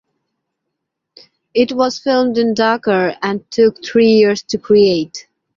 It was filmed in Dakar and took three years to create.